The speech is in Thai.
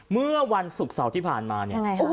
เมื่อวันศุกร์เสาร์ที่ผ่านมาเนี่ย